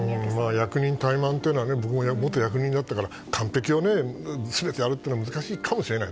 役人の怠慢というのは僕も元役人だったから全てやるというのは難しいかもしれない。